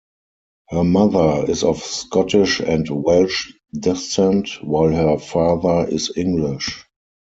Her mother is of Scottish and Welsh descent, while her father is English.